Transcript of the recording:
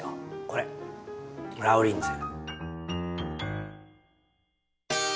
これラウリンゼ。